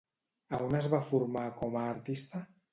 A on es va formar com a artista?